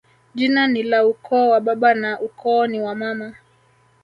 Jina ni la ukoo wa baba na ukoo ni wa mama